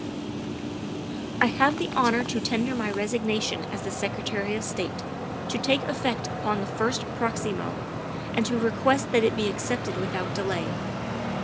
" I have the honor to tender my resignation as the Secretary of State, to take effect upon the first proximo, and to request that it be accepted without delay.